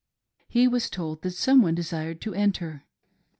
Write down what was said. He was told that some one desired to enter.